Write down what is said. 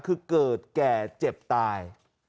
คือเกิดแก่เจ็บตาย